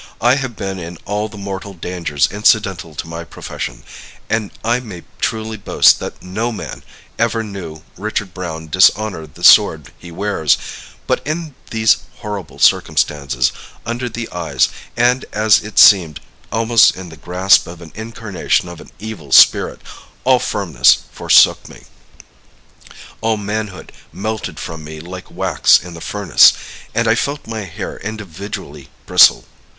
I have been in all the mortal dangers incidental to my profession, and I may truly boast that no man ever knew Richard Browne dishonor the sword he wears; but in these horrible circumstances, under the eyes, and, as it seemed, almost in the grasp of an incarnation of an evil spirit, all firmness forsook me, all manhood melted from me like wax in the furnace, and I felt my hair individually bristle.